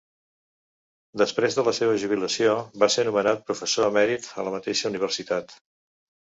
Després de la seva jubilació, va ser nomenat professor emèrit a la mateixa universitat.